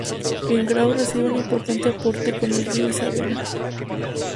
En Graus recibe un importante aporte con el río Isábena.